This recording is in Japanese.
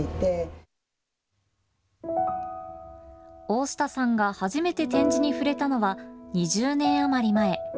大下さんが初めて点字に触れたのは２０年余り前。